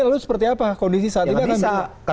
lalu seperti apa kondisi saat ini tidak bisa